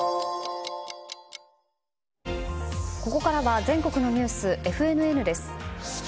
ここからは全国のニュースＦＮＮです。